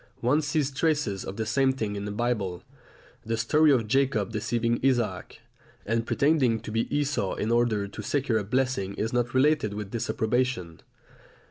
One sees traces of the same thing in the Bible. The story of Jacob deceiving Isaac, and pretending to be Esau in order to secure a blessing is not related with disapprobation.